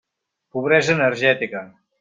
Pobresa energètica.